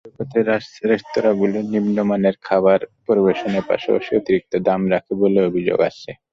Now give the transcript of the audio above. সৈকতের রেস্তোরাঁগুলো নিম্নমানের খাবার পরিবেশনের পাশাপাশি অতিরিক্ত দাম রাখে বলে অভিযোগ আছে।